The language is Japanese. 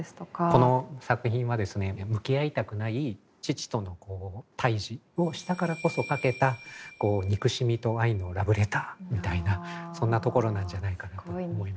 この作品はですね向き合いたくない父との対峙をしたからこそ書けた憎しみと愛のラブレターみたいなそんなところなんじゃないかなと思います。